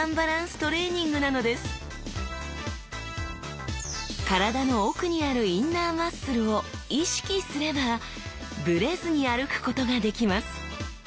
トレーニングなのです体の奥にあるインナーマッスルを「意識」すればブレずに歩くことができます。